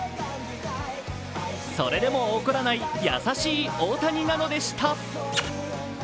それでも怒らない優しい大谷なのでした。